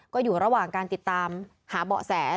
ก็อยู่ระหว่างการติดตามหาเบาะแส